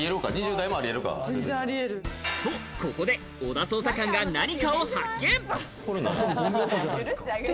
と、ここで小田捜査官が何かを発見。